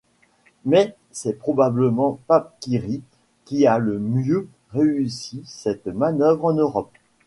Mais c'est probablement Paquirri qui a le mieux réussi cette manœuvre en Europe.